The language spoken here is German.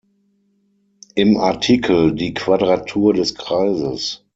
Im Artikel „Die Quadratur des Kreises.